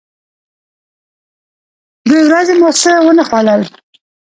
دوې ورځې مو څه و نه خوړل.